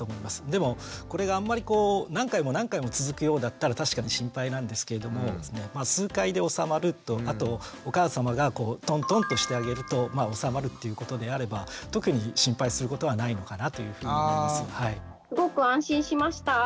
でもこれがあんまりこう何回も何回も続くようだったら確かに心配なんですけれども数回でおさまるとあとお母さまがトントンとしてあげるとおさまるということであれば特に心配することはないのかなというふうに思います。